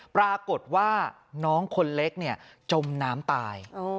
ปรากฏว่าน้องคนเล็กจมน้ำตาย